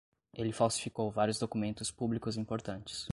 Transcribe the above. Ele falsificou vários documentos públicos importantes